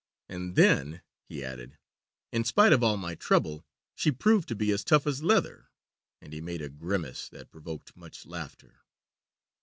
"And then," he added, "in spite of all my trouble she proved to be as tough as leather " and he made a grimace that provoked much laughter.